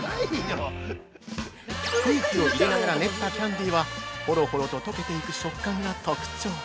◆空気を入れながら練ったキャンディはほろほろと溶けていく食感が特徴。